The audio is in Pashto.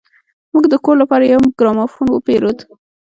موږ د کور لپاره يو ګرامافون وپېرود.